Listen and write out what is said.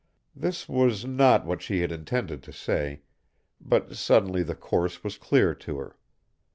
This was not what she had intended to say, but suddenly the course was clear to her.